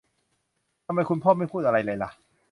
ทำไมคุณไม่พูดอะไรเลยล่ะ